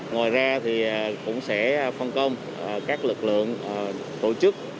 ngoài ra thì cũng sẽ phân công các lực lượng tổ chức